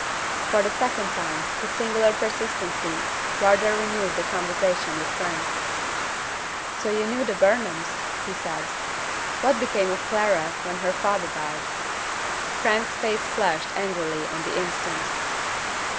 For the second time, with singular persistency, Wardour renewed the conversation with Frank. "So you knew the Burnhams?" he said. "What became of Clara when her father died?" Frank's face flushed angrily on the instant.